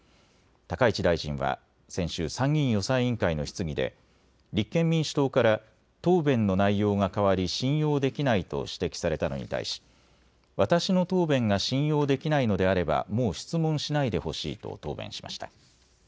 高市大臣は先週、参議院予算委員会の質疑で立憲民主党から答弁の内容が変わり信用できないと指摘されたのに対し、私の答弁が信用できないのであればもう質問しないでほしいと答弁しました。